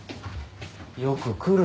よく来るね